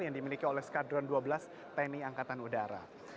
yang dimiliki oleh skadron dua belas tni angkatan udara